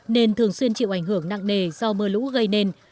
nên thường xuyên chịu ảnh hưởng nặng nề do mưa lũ gây nên